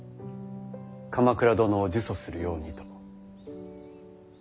鎌倉殿を呪詛するようにと。